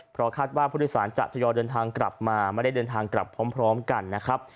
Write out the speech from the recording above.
เพราะคาดว่าผู้โดยสารจะทยอยเดินทางกลับมาไม่ได้เดินทางกลับพร้อมกันนะครับ